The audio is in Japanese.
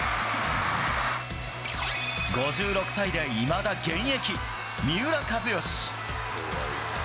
５６歳でいまだ現役、三浦知良。